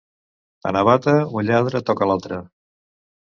A Navata, un lladre toca a l'altre.